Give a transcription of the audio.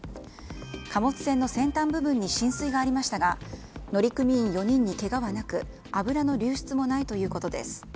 貨物船の先端部分に浸水がありましたが乗組員４人にけがはなく油の流出もないということです。